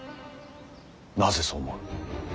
なぜそう思う。